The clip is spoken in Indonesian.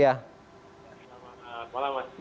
selamat malam mas